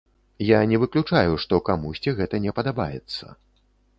Я не выключаю, што камусьці гэта не падабаецца.